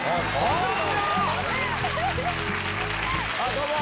どうも！